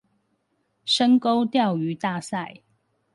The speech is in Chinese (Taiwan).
深溝釣魚大賽